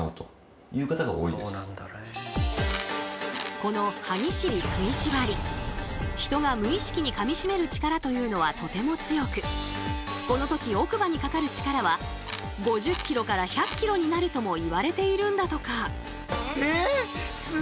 この歯ぎしり・食いしばりヒトが無意識にかみしめる力というのはとても強くこの時奥歯にかかる力は５０ｋｇから１００ｋｇになるともいわれているんだとか。